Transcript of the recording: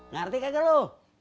ngerti kagak lu